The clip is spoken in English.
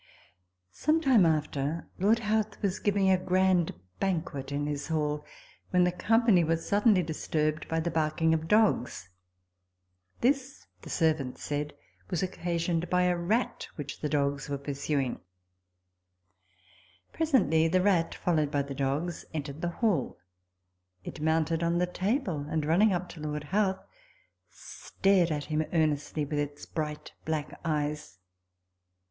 Some time after, Lord Howth was giving a grand banquet in his hall, when the company were suddenly disturbed by the barking of dogs. This, the servants said, was occasioned by a rat which the dogs were pursuing. 128 RECOLLECTIONS OF THE Presently the rat, followed by the dogs, entered the hall. It mounted on the table, and running up to Lord Howth, stared at him earnestly with its bright black eyes.